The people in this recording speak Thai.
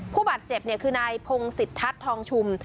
ผู้บาดเจ็บคือนายพงศิษทัศน์ทองชุม